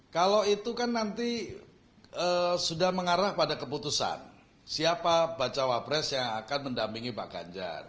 kalau itu kan nanti sudah mengarah pada keputusan siapa baca wapres yang akan mendampingi pak ganjar